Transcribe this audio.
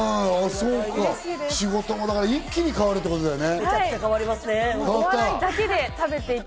仕事も一気に変わるってことだね。